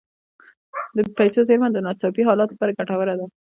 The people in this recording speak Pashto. د پیسو زیرمه د ناڅاپي حالاتو لپاره ګټوره ده.